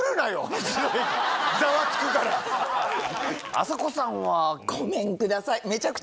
あさこさんは。ごめんください。